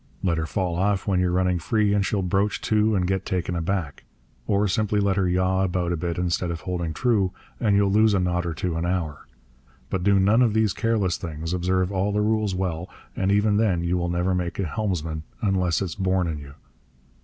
Let her fall off when you're running free, and she'll broach to and get taken aback. Or simply let her yaw about a bit instead of holding true, and you'll lose a knot or two an hour. But do none of these careless things, observe all the rules as well, and even then you will never make a helmsman unless it's born in you.